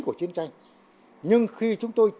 của chiến tranh nhưng khi chúng tôi